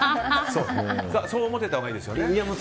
そう思ってたほうがいいですよね。